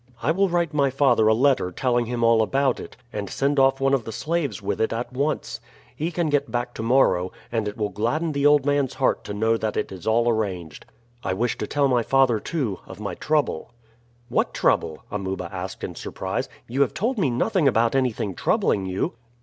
I will write my father a letter telling him all about it, and send off one of the slaves with it at once. He can get back to morrow, and it will gladden the old man's heart to know that it is all arranged. I wish to tell my father, too, of my trouble." "What trouble?" Amuba asked in surprise. "You have told me nothing about anything troubling you."